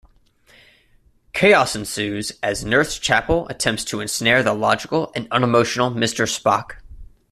Chaos ensues as Nurse Chapel attempts to ensnare the logical and unemotional Mr. Spock.